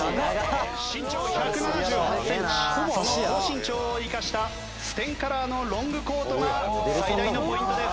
「身長１７８センチ」「その高身長を生かしたステンカラーのロングコートが最大のポイントです」